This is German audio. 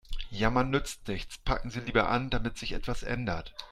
Jammern nützt nichts, packen Sie lieber an, damit sich etwas ändert.